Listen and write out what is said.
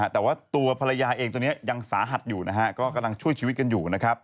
แต่ว่าตัวภรรยาเองตอนนี้ยังสาหัสอยู่นะฮะก็กำลังช่วยชีวิตกันอยู่นะครับ